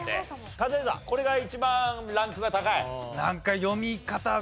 カズレーザーこれが一番ランクが高い？